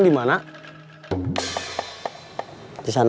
kita harus pergiclek